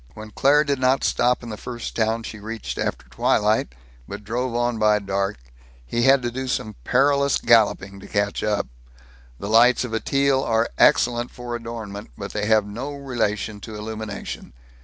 When Claire did not stop in the first town she reached after twilight, but drove on by dark, he had to do some perilous galloping to catch up. The lights of a Teal are excellent for adornment, but they have no relation to illumination.